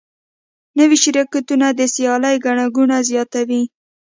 نوي شرکتونه د سیالۍ ګڼه ګوڼه زیاتوي.